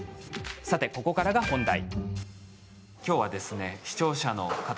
さて、ここからが本題。